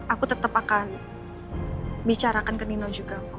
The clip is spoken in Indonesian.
aku tetap akan bicarakan ke nino juga